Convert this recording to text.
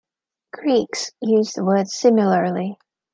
Greeks use the word similarly.